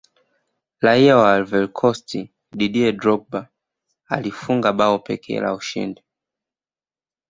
raia wa ivory coast didier drogba alifunga bao pekee la ushindi